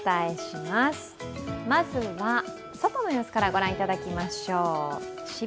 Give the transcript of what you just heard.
まずは外の様子から御覧いただきましょう。